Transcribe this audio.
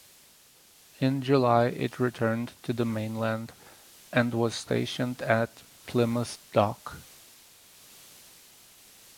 In July it returned to the mainland and was stationed at Plymouth Dock.